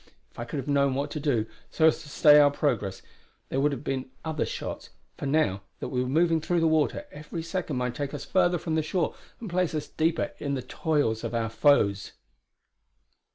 If I could have known what to do, so as to stay our progress, there would have been other shots; for now that we were moving through the water, every second might take us further from the shore and place us deeper in the toils of our foes.